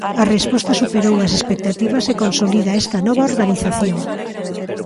A resposta superou as expectativas e consolida esta nova organización.